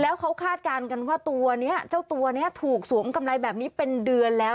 แล้วเขาคาดการณ์กันว่าตัวนี้เจ้าตัวนี้ถูกสวมกำไรแบบนี้เป็นเดือนแล้ว